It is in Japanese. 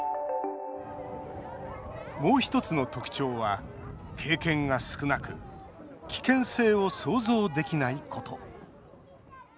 もう１つの特徴は経験が少なく危険性を想像できないこと。